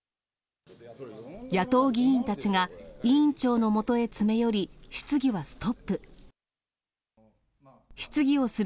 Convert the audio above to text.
野党議員たちが委員長のもとへ詰め寄り、質疑はストップ。